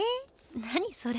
何それ？